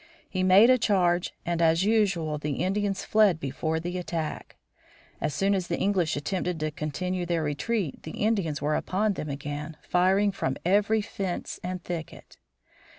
He made a charge and as usual the Indians fled before the attack. As soon as the English attempted to continue their retreat the Indians were upon them again, firing from every fence and thicket.